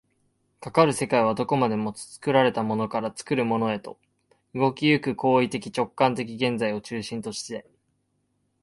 かかる世界はどこまでも作られたものから作るものへと、動き行く行為的直観的現在を中心として、